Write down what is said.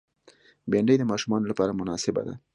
بېنډۍ د ماشومانو لپاره مناسبه ده